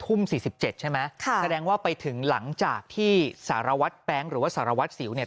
๔๗ใช่ไหมแสดงว่าไปถึงหลังจากที่สารวัตรแป๊งหรือว่าสารวัตรสิวเนี่ย